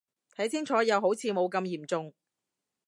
睇清楚又好似冇咁嚴重